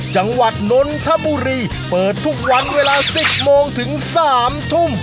จังหวัดนนทบุรีเปิดทุกวันเวลา๑๐โมงถึง๓ทุ่ม